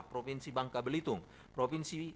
provinsi bangka belitung provinsi